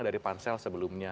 dari pansel sebelumnya